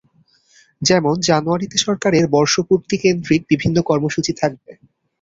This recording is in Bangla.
যেমন জানুয়ারিতে সরকারের বর্ষপূর্তিকেন্দ্রিক বিভিন্ন কর্মসূচি থাকবে।